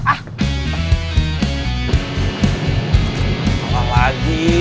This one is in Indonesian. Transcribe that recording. salam lagi salam lagi